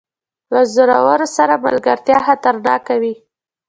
له زورور سره ملګرتیا خطرناکه وي.